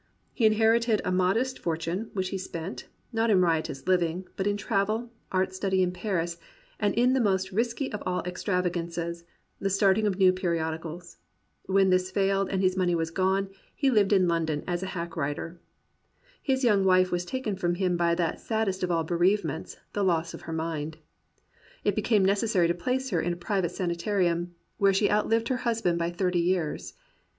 He inherited a modest for tune, which he spent, not in riotous living, but in travel, art study in Paris, and in the most risky of all extravagances, the starting of new periodicals. When this failed and his money was gone, he Hved in London as a hack writer. His young wife was taken from him by that sad 108 THACKERAY AND REAL MEN dest of all bereavements — the loss of her mind. It became necessary to place her in a private sani tarium, where she outlived her husband by thirty years.